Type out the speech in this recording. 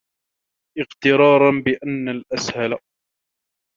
اغْتِرَارًا بِأَنَّ الْأَسْهَلَ